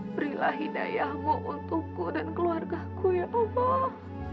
berilah hidayahmu untukku dan keluarga ku ya allah